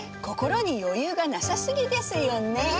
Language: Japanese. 心に余裕がなさ過ぎですよね。